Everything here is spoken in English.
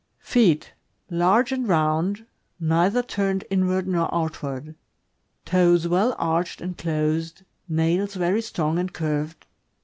Feet. — Large and round, neither turned inward nor out ward. , Toes well arched and closed. Nails very strong and curved.